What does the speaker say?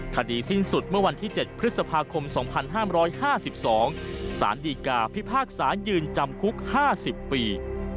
คดีสิ้นสุดเมื่อวันที่๗พฤษภาคม๒๕๕๒สารดีกาพิพากษายืนจำคุก๕๐ปี